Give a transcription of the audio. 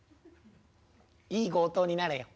いい強盗になれよ。